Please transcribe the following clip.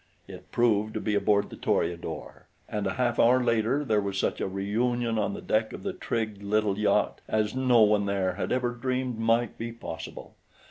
It proved to be aboard the Toreador, and a half hour later there was such a reunion on the deck of the trim little yacht as no one there had ever dreamed might be possible.